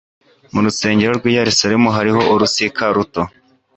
Mu rusengero rw'i Yerusalemu hariho urusika ruto